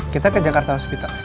kita ke jakarta hospital